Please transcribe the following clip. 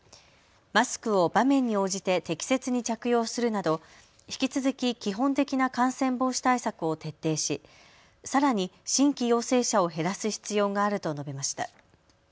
マスクを場面に応じて適切に着用するなど引き続き基本的な感染防止対策を徹底しさらに新規陽性者を減らす必要があると述べました。